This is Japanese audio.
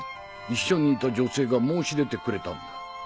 一緒にいた女性が申し出てくれたんだ。